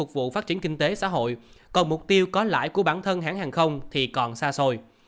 vụ phát triển kinh tế xã hội còn mục tiêu có lãi của bản thân hãng hàng không thì còn xa xôi